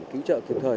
cứu trợ thực thời